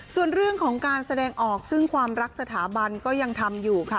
ส่วนเรื่องของการแสดงออกซึ่งความรักสถาบันก็ยังทำอยู่ค่ะ